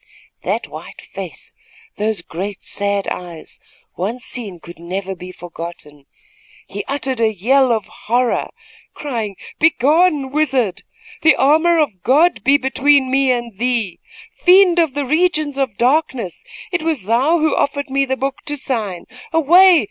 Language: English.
That white face, those great, sad eyes once seen could never be forgotten. He uttered a yell of horror, crying: "Begone, wizard! The armor of God be between me and thee! Fiend of the regions of darkness, it was thou who offered me the book to sign. Away!